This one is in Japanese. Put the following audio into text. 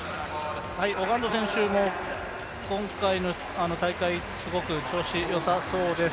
オガンド選手も今回の大会、すごく調子よさそうです。